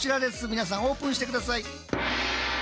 皆さんオープンして下さい。